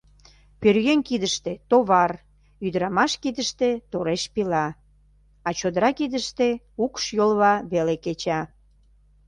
Пӧръеҥ кидыште товар, ӱдырамаш кидыште тореш пила, а чодыра кидыште укш йолва веле кеча.